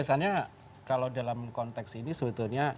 biasanya kalau dalam konteks ini sebetulnya